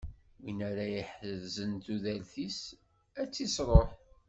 Win ara iḥerzen tudert-is, ad tt-isṛuḥ.